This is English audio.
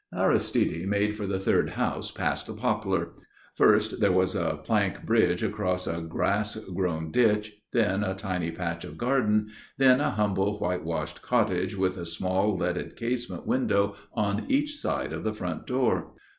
Aristide made for the third house past the poplar. First there was a plank bridge across a grass grown ditch; then a tiny patch of garden; then a humble whitewashed cottage with a small leaded casement window on each side of the front door.